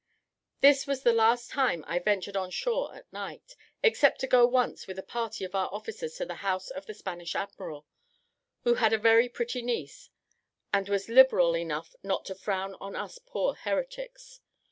This was the last time I ventured on shore at night, except to go once with a party of our officers to the house of the Spanish admiral, who had a very pretty niece, and was liberale enough not to frown on us poor heretics.